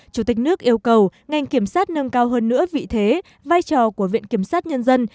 chủ tịch nước yêu cầu ngành kiểm sát nâng cao hơn nữa vị thế vai trò của viện kiểm sát nhân dân